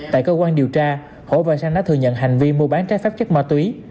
tại cơ quan điều tra hổ và sang đã thừa nhận hành vi mua bán trái phép chất ma túy